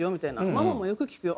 「ママもよく聴くよ」